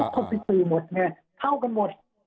ก็ต้องไปติดสื่อหมดเนี่ยเข้ากันหมด